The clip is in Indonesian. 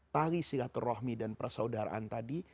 tali silaturahmi dan persaudaraan tadi